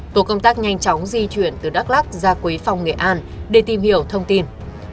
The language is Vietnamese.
tổ công tác nhanh chóng di chuyển từ đắk lắc ra quế phòng nghệ an để tìm hiểu thông tin